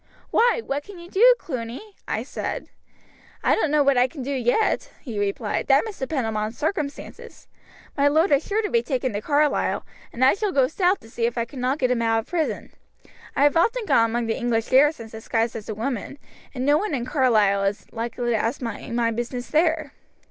'Why, what can you do, Cluny?' I said. 'I don't know what I can do yet,' he replied; 'that must depend upon circumstances. My lord is sure to be taken to Carlisle, and I shall go south to see if I cannot get him out of prison. I have often gone among the English garrisons disguised as a woman, and no one in Carlisle is likely to ask me my business there.'